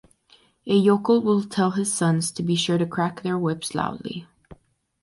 A yokel will tell his sons to be sure to crack their whips loudly.